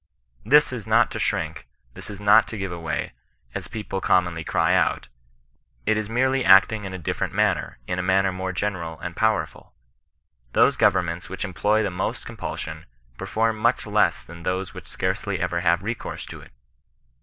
This is not to shrink, this is not to give way, as people com monly cry out ; it is merely acting in a different manner, in a manner more general and powerful. Those govern ments which employ the most compulsion perform much less than those which scarcely ever have recourse to it.